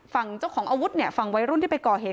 ฝั่งเจ้าของอาวุธเนี่ยฝั่งวัยรุ่นที่ไปก่อเหตุ